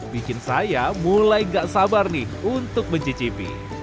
bikin saya mulai gak sabar nih untuk mencicipi